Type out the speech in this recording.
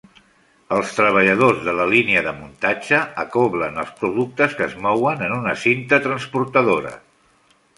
Els treballadors de la línia de muntatge acoblen els productes que es mouen en una cinta transportadora.